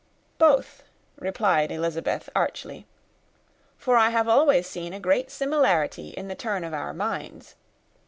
"Both," replied Elizabeth archly; "for I have always seen a great similarity in the turn of our minds.